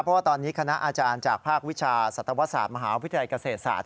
เพราะว่าตอนนี้คณะอาจารย์จากภาควิชาสัตวศาสตร์มหาวิทยาลัยเกษตรศาสต